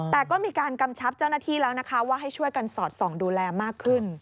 แต่ก็มีการกำชับเจ้าหน้าที่แล้วนะคะว่าให้ช่วยกันสอดส่องดูแลมากขึ้น